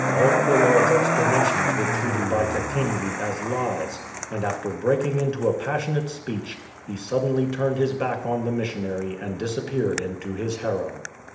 All Coillard"*s explanations were treated by Kakenge as lies, and after breaking into a passionate speech, he suddenly turned his back on the missionary and disappeared into his harem.